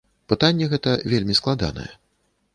Пытанне гэта вельмі складанае.